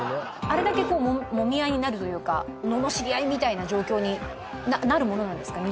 あれだけもみ合いになるというかののしり合いみたいな状況になるものなんですか？